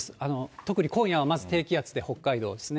特に今夜はまず低気圧で北海道ですね。